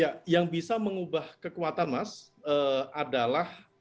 ya yang bisa mengubah kekuatan mas adalah